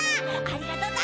ありがとな